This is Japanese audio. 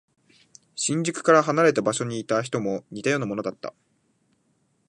新宿から離れた場所にいた人も似たようなものだった。